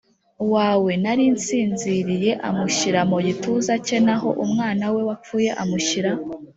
Wawe nari nsinziriye amushyira mu gituza cye naho umwana we wapfuye amushyira